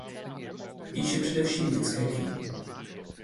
Píše především dětské knihy.